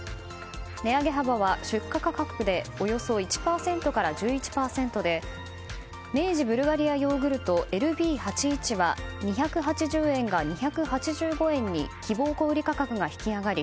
値上げ幅は、出荷価格でおよそ１％から１１％で明治ブルガリアヨーグルトＬＢ８１は２８０円が２８５円に希望小売価格が引き上がり